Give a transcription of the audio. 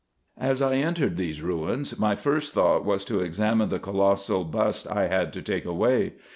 As I entered these ruins, my first thought was to examine the colossal bust I had to take away.